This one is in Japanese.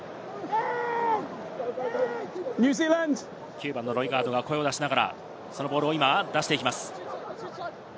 ９番のロイガードが声を出しながらボールを出していきます。